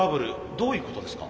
どういうことですか？